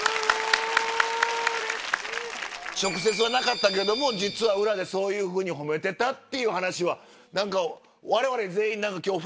直接はなかったけども実は裏でそういうふうに褒めてたっていう話は何か我々全員今日。